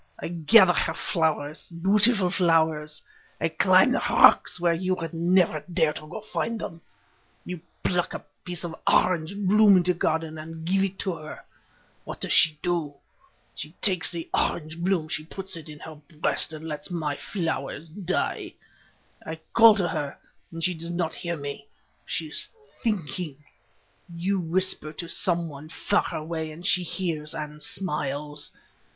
I gather her flowers—beautiful flowers; I climb the rocks where you would never dare to go to find them; you pluck a piece of orange bloom in the garden and give it to her. What does she do?—she takes the orange bloom, she puts it in her breast, and lets my flowers die. I call to her—she does not hear me—she is thinking. You whisper to some one far away, and she hears and smiles.